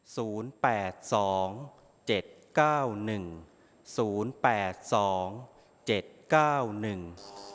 ศูนย์แปดสองเจ็ดเก้าหนึ่งศูนย์แปดสองเจ็ดเก้าหนึ่ง